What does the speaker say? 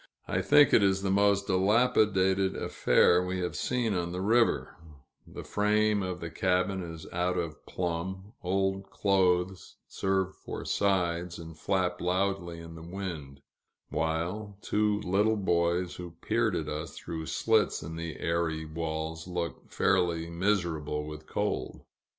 I think it is the most dilapidated affair we have seen on the river the frame of the cabin is out of plumb, old clothes serve for sides and flap loudly in the wind; while two little boys, who peered at us through slits in the airy walls, looked fairly miserable with cold.